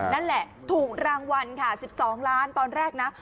นั่นแหละถูกรางวัลค่ะ๑๒ล้านตอนแรกนะ